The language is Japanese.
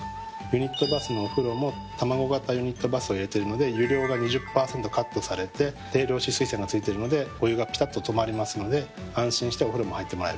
ユニットバスのお風呂も卵形ユニットバスを入れているので湯量が２０％カットされて定量止水栓が付いているのでお湯がぴたっと止まりますので安心してお風呂も入ってもらえると。